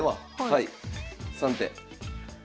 はい３手。